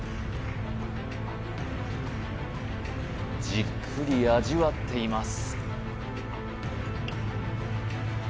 じっくり味わっています